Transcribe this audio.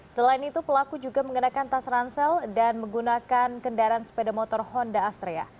selain itu pelaku juga mengenakan tas ransel dan menggunakan kendaraan sepeda motor honda astra